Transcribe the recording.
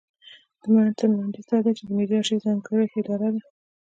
د متن لنډیز دا دی چې ملي ارشیف ځانګړې اداره ده.